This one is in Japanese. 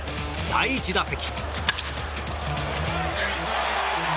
第３打席。